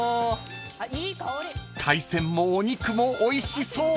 ［海鮮もお肉もおいしそう］